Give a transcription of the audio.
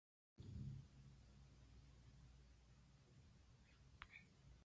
په دې حالت کې ساتنه ضروري ده.